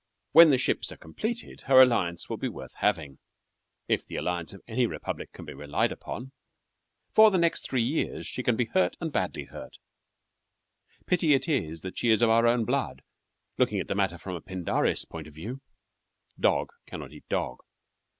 When the ships are completed her alliance will be worth having if the alliance of any republic can be relied upon. For the next three years she can be hurt, and badly hurt. Pity it is that she is of our own blood, looking at the matter from a Pindarris point of view. Dog cannot eat dog.